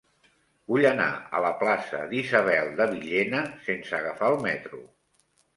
Vull anar a la plaça d'Isabel de Villena sense agafar el metro.